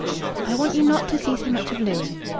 "I want you not to see so much of Louis."